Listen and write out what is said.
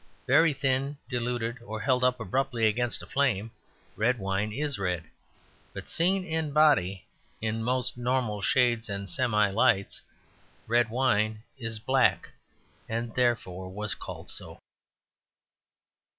Very thin, diluted, or held up abruptly against a flame, red wine is red; but seen in body in most normal shades and semi lights red wine is black, and therefore was called so.